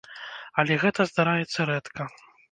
Але гэта здараецца рэдка.